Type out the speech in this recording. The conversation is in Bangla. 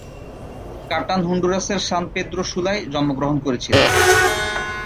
কাটান হন্ডুরাসের সান পেদ্রো সুলায় জন্মগ্রহণ করেছিলেন।